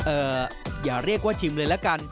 อย่าเรียกว่าชิมเลยละกัน